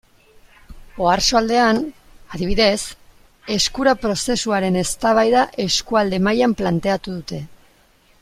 Oarsoaldean, adibidez, Eskura prozesuaren eztabaida eskualde mailan planteatu dute.